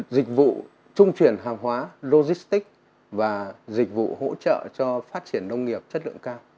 dịch vụ trung chuyển hàng hóa logistic và dịch vụ hỗ trợ cho phát triển nông nghiệp chất lượng cao